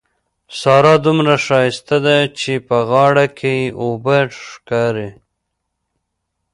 سارا دومره ښايسته ده چې په غاړه کې يې اوبه ښکاري.